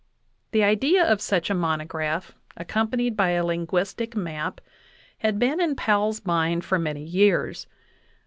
The idea of such a monograph, accompanied by a linguistic map, had been in Powell's mind for many years, but.